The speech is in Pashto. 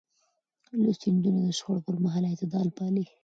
لوستې نجونې د شخړو پر مهال اعتدال پالي.